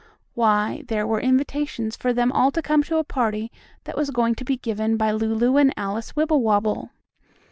Why, there were invitations for them all to come to a party that was going to be given by Lulu and Alice Wibblewobble.